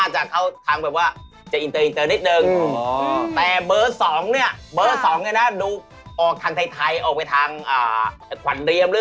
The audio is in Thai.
หือว่าลาดลีถีนตะวันตกผิวคั้ี๊ม